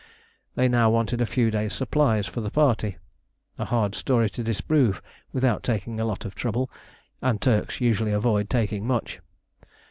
They now wanted a few days' supplies for the party. A hard story to disprove without taking a lot of trouble, and Turks usually avoid taking much.